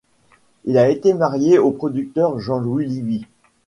Elle a été mariée au producteur Jean-Louis Livi.